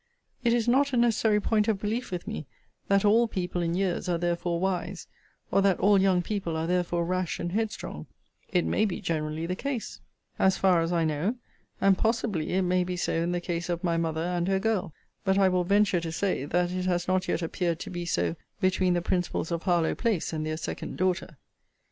It is not a necessary point of belief with me, that all people in years are therefore wise; or that all young people are therefore rash and headstrong: it may be generally the case, as far as I know: and possibly it may be so in the case of my mother and her girl: but I will venture to say that it has not yet appeared to be so between the principals of Harlowe place and their second daughter.